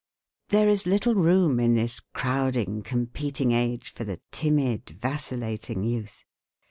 There is little room in this crowding, competing age for the timid, vacillating youth.